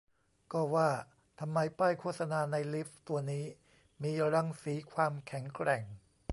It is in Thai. ก็ว่าทำไมป้ายโฆษณาในลิฟต์ตัวนี้มีรังสีความแข็งแกร่ง